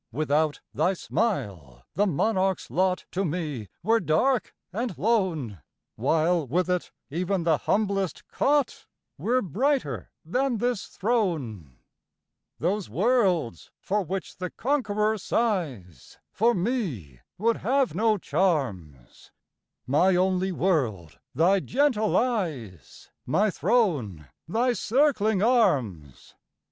Without thy smile, the monarch's lot To me were dark and lone, While, with it, even the humblest cot Were brighter than his throne. Those worlds for which the conqueror sighs For me would have no charms; My only world thy gentle eyes My throne thy circling arms!